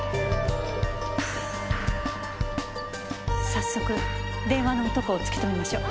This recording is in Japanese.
早速電話の男を突き止めましょう。